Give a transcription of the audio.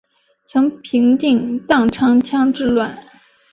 曾平定宕昌羌之乱。